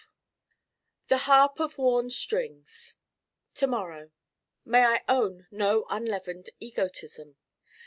The harp of worn strings To morrow May I own no unleavened egotism.